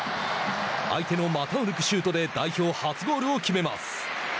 相手の股を抜くシュートで代表初ゴールを決めます。